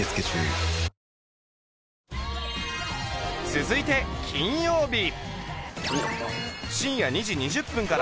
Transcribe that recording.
続いて金曜日。